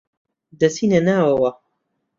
دەچینە ناوەوە.